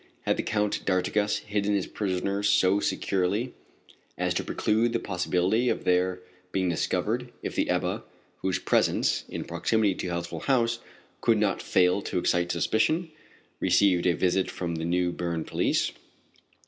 Had the Count d'Artigas hidden his prisoners so securely as to preclude the possibility of their being discovered if the Ebba, whose presence in proximity to Healthful House could not fail to excite suspicion, received a visit from the New Berne police?